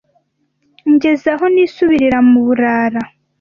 Ngeze aho nisubirira mu burara,